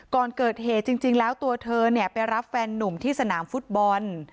ก่อนเกิดเหตุจริงแล้วตัวเธอไปรับแฟนนุ่มที่สนามฟุตบอล